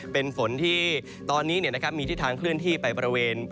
เป็นฝนที่ตอนนี้มีทิศทางเคลื่อนที่ไปบริเวณ